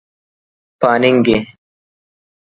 پاننگے